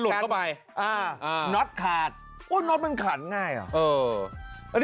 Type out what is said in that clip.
รถขันมันขันง่ายหรอ